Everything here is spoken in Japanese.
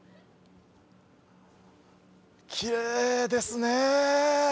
きれいですねぇ。